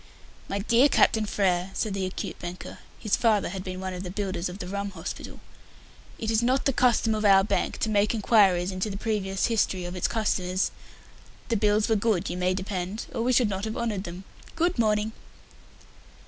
"My dear Captain Frere," said the acute banker his father had been one of the builders of the "Rum Hospital" "it is not the custom of our bank to make inquiries into the previous history of its customers. The bills were good, you may depend, or we should not have honoured them. Good morning!"